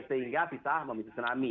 sehingga bisa memicu tsunami